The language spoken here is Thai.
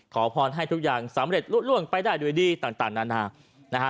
ขอพรให้ทุกอย่างสำเร็จลุล่วงไปได้ด้วยดีต่างนานานะฮะ